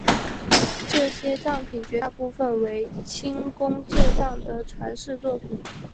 这些藏品绝大部分为清宫旧藏的传世作品。